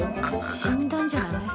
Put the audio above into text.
死んだんじゃない？